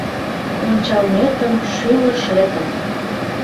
Ончалметым, шÿлышетым